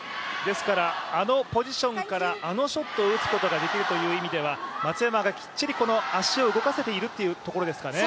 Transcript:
あのポジションからあのショットを打つことができるということは松山がきっちり足を動かせているというところですかね？